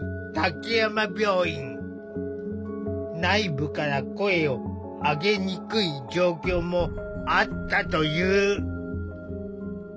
内部から声を上げにくい状況もあったという。